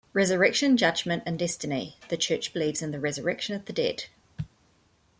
Resurrection, Judgement and Destiny - the church believes in the resurrection of the dead.